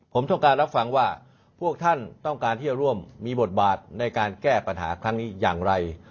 ผมต้องการรับฟังว่าพวกท่านต้องการที่จะร่วมมีบทบาทในการแก้ปัญหาครั้งนี้อย่างไร